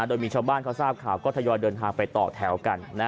โดยมีชาวบ้านเขาทราบข่าวก็ทยอยเดินทางไปต่อแถวกัน